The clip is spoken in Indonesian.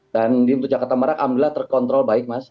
dan untuk jakarta merah alhamdulillah terkontrol baik mas